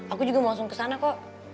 aku juga mau langsung ke sana kok